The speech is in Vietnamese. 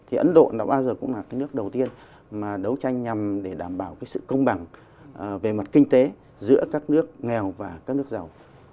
thì ấn độ nó bao giờ cũng là cái nước đầu tiên mà đấu tranh nhằm để đảm bảo cái sự công bằng về mặt kinh tế giữa các nước nghèo và các nước giàu